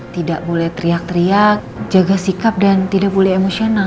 tidak boleh teriak teriak jaga sikap dan tidak boleh emosional